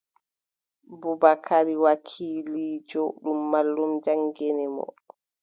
Bubakari wakiiliijo, ɗum mallum jaŋngini mo.